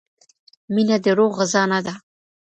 مینه د روح غذا نه ده.